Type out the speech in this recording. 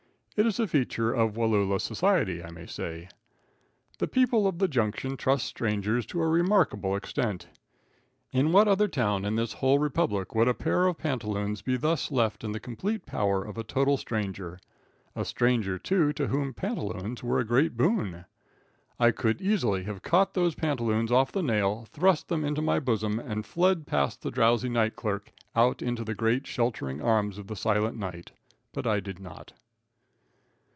It is a feature of Wallula society, I may say. The people of the junction trust strangers to a remarkable extent. In what other town in this whole republic would a pair of pantaloons be thus left in the complete power of a total stranger, a stranger, too, to whom pantaloons were a great boon? I could easily have caught those pantaloons off the nail, thrust them into my bosom, and fled past the drowsy night clerk, out into the great, sheltering arms of the silent night, but I did not.